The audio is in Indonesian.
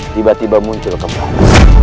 tiba tiba muncul kembali